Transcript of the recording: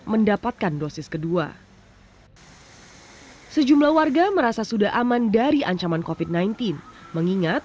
mendapatkan dosis kedua sejumlah warga merasa sudah aman dari ancaman kofit sembilan belas mengingat